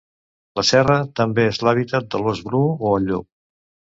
La serra també és l'hàbitat de l'ós bru o el llop.